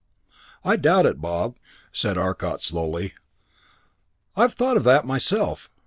"I doubt it, Bob," said Arcot slowly. "I've thought of that myself.